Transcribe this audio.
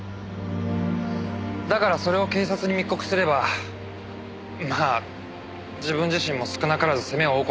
だからそれを警察に密告すればまあ自分自身も少なからず責めを負う事になるだろうけど。